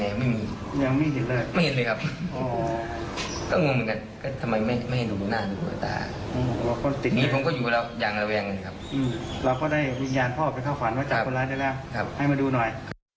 ให้มาดูหน่อย